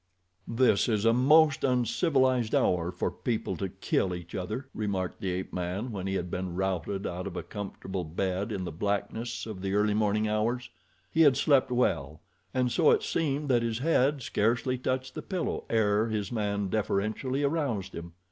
"This is a most uncivilized hour for people to kill each other," remarked the ape man when he had been routed out of a comfortable bed in the blackness of the early morning hours. He had slept well, and so it seemed that his head scarcely touched the pillow ere his man deferentially aroused him.